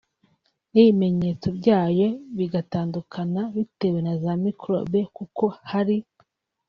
n’ibimenyeto byayo bigatandukana bitewe na za microbe kuko hari